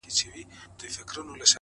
• د ژوند دوهم جنم دې حد ته رسولی يمه؛